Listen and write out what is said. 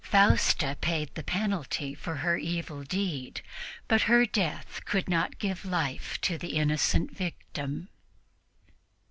Fausta paid the penalty for her evil deed, but her death could not give life to the innocent victim.